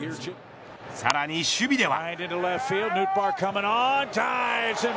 さらに守備では。